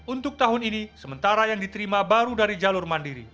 untuk tahun ini sementara yang diterima baru dari jalur mandiri